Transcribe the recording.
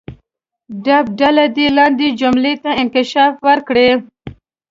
د ب ډله دې لاندې جملې ته انکشاف ورکړي.